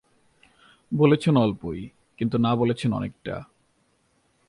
বলেছেন অল্পই, কিন্তু না বলেছেন অনেকটা।